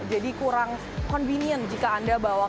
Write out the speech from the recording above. jadi kurang convenient jika anda bawa ke kantor